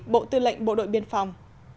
bộ tư lệnh bộ đội biên phòng